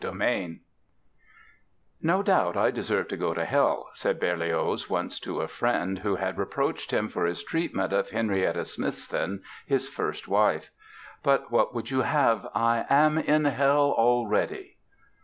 PEYSER "No doubt I deserve to go to Hell", said Berlioz once to a friend who had reproached him for his treatment of Henrietta Smithson, his first wife; "but what would you have? I am in Hell already!"